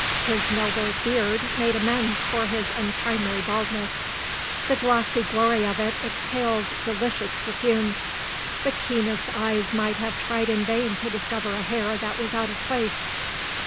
His noble beard made amends for his untimely baldness. The glossy glory of it exhaled delicious perfumes; the keenest eyes might have tried in vain to discover a hair that was out of place.